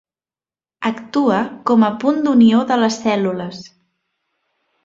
Actua com a punt d'unió de les cèl·lules.